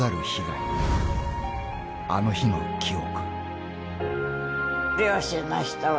［あの日の記憶］